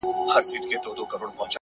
هوښیاري د سم انتخاب نوم دی!.